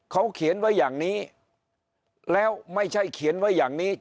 เขาเขียนไว้อย่างนี้แล้วไม่ใช่เขียนไว้อย่างนี้